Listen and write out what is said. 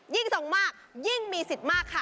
ยิ่งส่งมากยิ่งมีสิทธิ์มากค่ะ